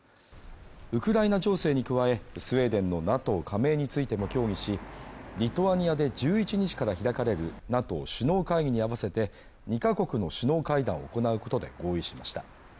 ウクライナ情勢に加え、スウェーデンのＮＡＴＯ加盟についても協議し、リトアニアで１１日から開かれるＮＡＴＯ首脳会議に合わせて、２カ国の首脳会談を行うことで合意しました。